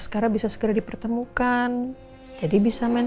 sekarang bisa segera dipertemukan jadi bisa main